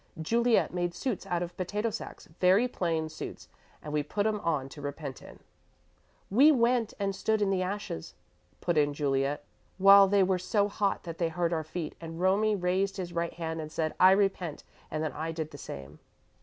"Juliet made suits out of potato sacks very plain suits and we put 'em on to repent in." "We went and stood in the ashes," put in Juliet, "while they were so hot that they hurt our feet, and Romie raised his right hand and said 'I repent' and then I did the same."